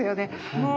もう。